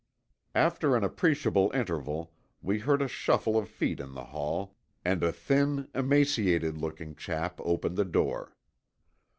After an appreciable interval we heard a shuffle of feet in the hall, and a thin, emaciated looking chap opened the door.